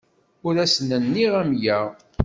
Ur asen-nniɣ amya.